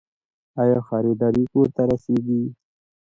آیا خریداري کور ته رسیږي؟